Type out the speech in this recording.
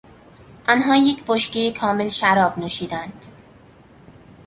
آنها یک بشکه کامل شراب نوشیدند.